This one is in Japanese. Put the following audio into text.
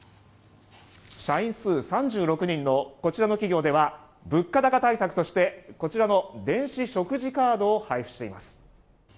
社員数３６人のこちらの企業では物価高対策としてこちらの電子食事カードを配布しています。